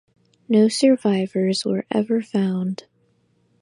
No survivors were ever found.